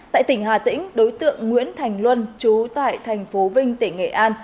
tại tỉnh hà tĩnh đối tượng nguyễn thành luân trú tại thành phố vinh tỉnh nghệ an